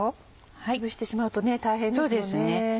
つぶしてしまうとね大変ですもんね。